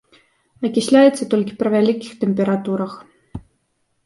Акісляецца толькі пры вялікіх тэмпературах.